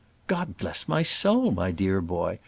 "God bless my soul, my dear boy!